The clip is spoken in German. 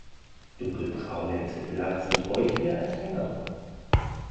Dunkelbraune Exemplare sind häufiger als hellere.